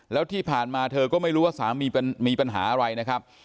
แล้วที่ผ่านมาเธอก็ไม่รู้ว่าสามีมีปัญหาอะไรนะครับ